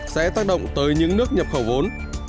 sẽ tác động tới những nước nhập khẩu vốn